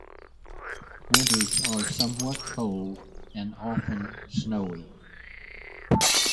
Winters are somewhat cold and often snowy.